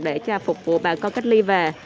để cho phục vụ bà con cách ly về